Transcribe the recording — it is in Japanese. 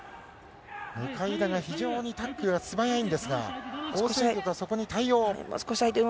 向田が非常にタックル素早いんですがホウ・セイギョクはそこに対応。